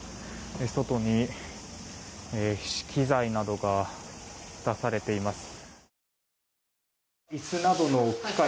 外に機材などが出されています。